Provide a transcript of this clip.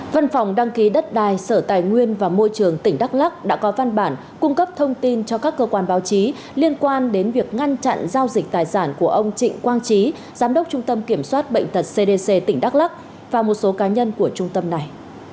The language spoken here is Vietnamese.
văn phòng đăng ký đất đai sở tài nguyên và môi trường tỉnh đắk lắc đã có văn bản cung cấp thông tin cho các cơ quan báo chí liên quan đến việc ngăn chặn giao dịch tài sản của ông trịnh quang trí giám đốc trung tâm kiểm soát bệnh tật cdc tỉnh đắk lắc và một số cá nhân của trung tâm này